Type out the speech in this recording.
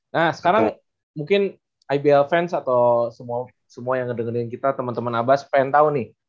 nah sekarang mungkin ibl fans atau semua yang ngedengerin kita temen temen abas pengen tahu nih